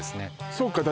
そうかだ